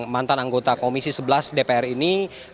mantan anggota komisi sebelas dpr ini